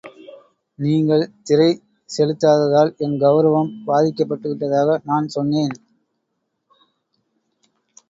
நீங்கள் திறை செலுத்தாததால், என் கவுரவம் பாதிக்கப்பட்டுவிட்டதாக நான் சொன்னேன்!.